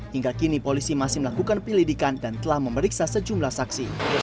hingga kini polisi masih melakukan penyelidikan dan telah memeriksa sejumlah saksi